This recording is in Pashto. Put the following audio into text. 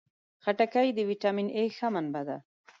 خټکی د ویټامین A ښه منبع ده.